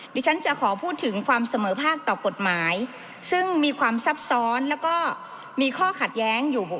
ดิฉันจะขอพูดถึงความเสมอภาคต่อกฎหมายซึ่งมีความซับซ้อนแล้วก็มีข้อขัดแย้งอยู่